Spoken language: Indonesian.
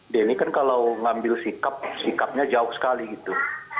denny kan kalau ngambil sikap sikapnya jauh sekali gitu